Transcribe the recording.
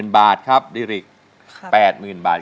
๐บาทครับดิริก๘๐๐๐บาท